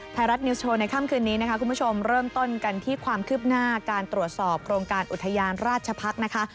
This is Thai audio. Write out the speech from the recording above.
ไทยรัฐนิวส์โชว์ในค่ำคืนนี้นะคะคุณผู้ชมเริ่มต้นกันที่ความคืบหน้าการตรวจสอบโครงการอุทยานราชพักษ์นะคะ